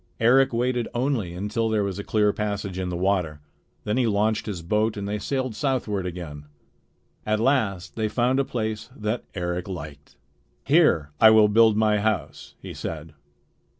Eric waited only until there was a clear passage in the water. Then he launched his boat, and they sailed southward again. At last they found a place that Eric liked. "Here I will build my house," he said.